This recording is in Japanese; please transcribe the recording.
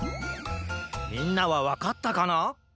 みんなはわかったかな？